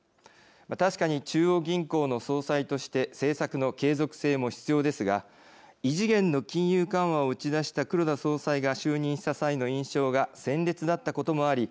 確かに中央銀行の総裁として政策の継続性も必要ですが異次元の金融緩和を打ち出した黒田総裁が就任した際の印象が鮮烈だったこともあり